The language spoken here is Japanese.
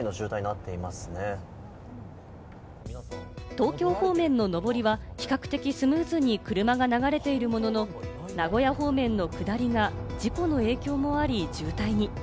東京方面の上りは比較的、スムーズに車が流れているものの、名古屋方面の下りが事故の影響もあり、渋滞に。